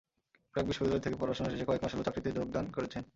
ব্র্যাক বিশ্ববিদ্যালয় থেকে পড়াশোনা শেষে কয়েক মাস হলো চাকরিতে যোগদান করেছেন।